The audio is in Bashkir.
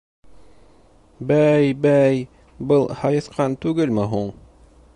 Бәй, бәй, был һайыҫҡан түгелме һуң?